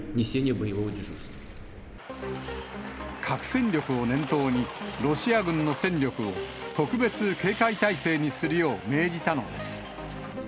核戦力を念頭に、ロシア軍の戦力を特別警戒態勢にするよう命じたのです。